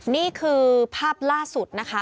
นี่คือภาพล่าสุดนะคะ